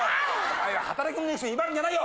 働きもしないで威張るんじゃないよ。